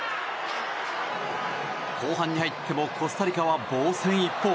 後半に入ってもコスタリカは防戦一方。